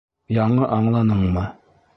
Яңы аңланыңмы?